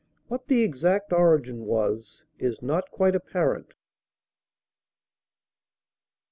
What the exact origin was is not quite apparent.